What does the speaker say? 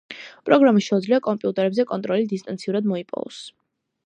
პროგრამას შეუძლია კომპიუტერებზე კონტროლი დისტანციურად მოიპოვოს.